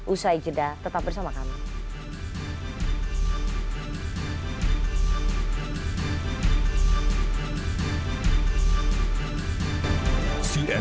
usai jeda tetap bersama kami